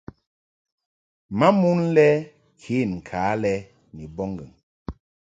Ma mon le ken ka lɛ ni bɔbŋgɨŋ.